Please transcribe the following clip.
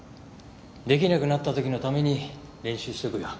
出来なくなった時のために練習しとくよ。